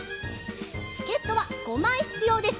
チケットは５まいひつようです。